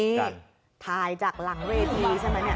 นี่ถ่ายจากหลังเวทีใช่ไหมเนี่ย